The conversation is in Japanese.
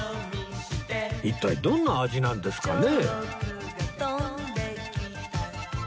一体どんな味なんですかね？